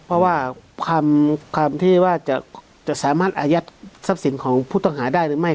เพราะว่าคำที่ว่าจะสามารถอายัดทรัพย์สินของผู้ต้องหาได้หรือไม่